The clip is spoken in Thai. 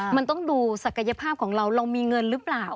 มันต้องดูศักยภาพของเราเรามีเงินหรือเปล่า